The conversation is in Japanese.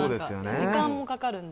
時間もかかるので。